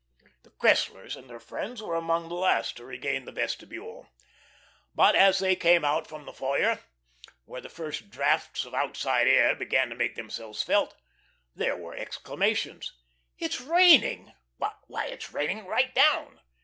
The Cresslers and their friends were among the last to regain the vestibule. But as they came out from the foyer, where the first draughts of outside air began to make themselves felt, there were exclamations: "It's raining." "Why, it's raining right down."